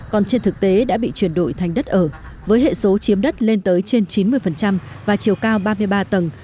còn trên thực tế đã bị chuyển đổi thành đất ở với hệ số chiếm đất lên tới trên chín mươi và chiều cao ba mươi ba tầng